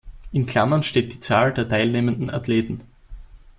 In Klammern steht die Zahl der teilnehmenden Athleten.